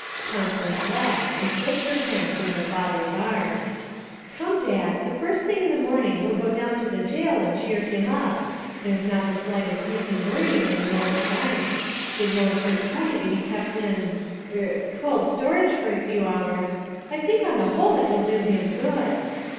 Constance laughed and slipped her hand through her father's arm. 'Come, Dad. The first thing in the morning we'll go down to the jail and cheer him up. There's not the slightest use in worrying any more to night. It won't hurt Tony to be kept in er cold storage for a few hours I think on the whole it will do him good!'